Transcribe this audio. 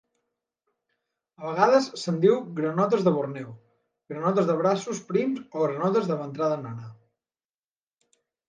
A vegades se'n diu granotes de Borneo, granotes de braços prims o granotes de ventrada nana.